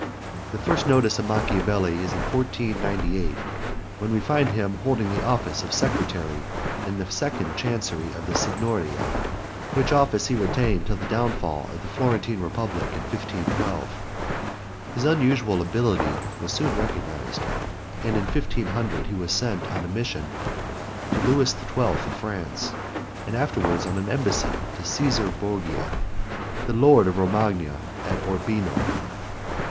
[*] The first notice of Machiavelli is in 1498 when we find him holding the office of Secretary in the second Chancery of the Signoria, which office he retained till the downfall of the Florentine Republic in 1512. His unusual ability was soon recognized, and in 1500 he was sent on a mission to Louis XII. of France, and afterward on an embassy to Cæsar Borgia, the lord of Romagna, at Urbino.